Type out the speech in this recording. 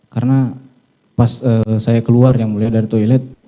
karena pas saya keluar ya mulia dari toilet